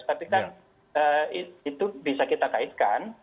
tapi kan itu bisa kita kaitkan